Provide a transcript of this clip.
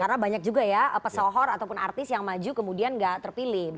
karena banyak juga ya pesohor ataupun artis yang maju kemudian gak terpilih